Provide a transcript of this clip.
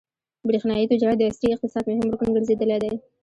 برېښنايي تجارت د عصري اقتصاد مهم رکن ګرځېدلی دی.